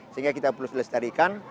sehingga kita perlu selestarikan